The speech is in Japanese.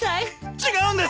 違うんです。